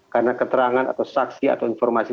karena keterangan atau saksi atau informasi